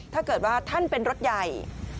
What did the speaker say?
ถ้าเกิดว่าท่านเป็นรถใหญ่